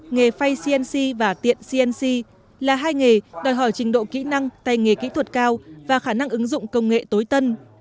nghề phay cnc và tiện cnc là hai nghề đòi hỏi trình độ kỹ năng tay nghề kỹ thuật cao và khả năng ứng dụng công nghệ tối tân